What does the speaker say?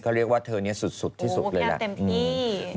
ก็เรียกว่าเธอนี่สุดที่สุดเลย